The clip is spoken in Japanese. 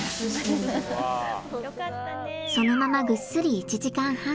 そのままぐっすり１時間半。